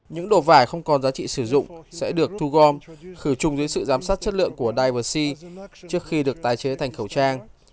những đồ vải không còn giá trị sử dụng sẽ được thu gom khử trùng dưới sự giám sát chất lượng của diversea trước khi được tái chế thành khẩu trang